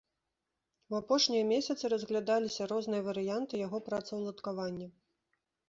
У апошнія месяцы разглядаліся розныя варыянты яго працаўладкавання.